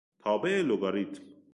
تابع لگاریتم